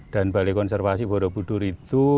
dan balai konservasi borobudur itu